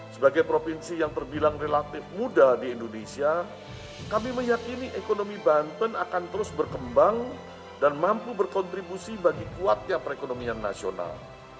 sebagai provinsi yang terbilang relatif muda di indonesia kami meyakini ekonomi banten akan terus berkembang dan mampu berkontribusi bagi kuatnya perekonomian nasional